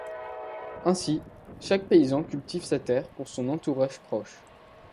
Ainsi, chaque paysan cultive sa terre pour son entourage proche.